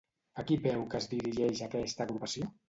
A qui veu que es dirigeix aquesta agrupació?